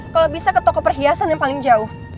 kalau bisa ke toko perhiasan yang paling jauh